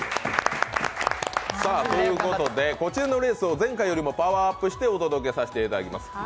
こちらのレースを前回よりパワーアップしてお届けしていきます。